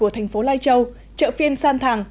thành phố lai châu chợ phiên sang thàng